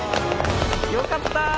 よかった！